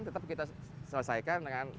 tetap kita selesaikan dengan